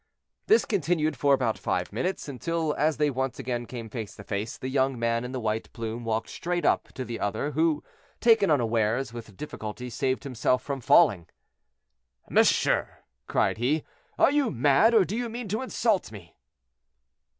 This continued for about five minutes, until, as they once again came face to face, the young man in the white plume walked straight up against the other, who, taken unawares, with difficulty saved himself from falling. "Monsieur," cried he, "are you mad, or do you mean to insult me?"